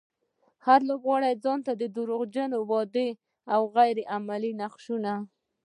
هر لوبغاړی ځانته د دروغجنو وعدو او غير عملي نقشونه.